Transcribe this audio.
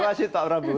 adilah sih pak prabu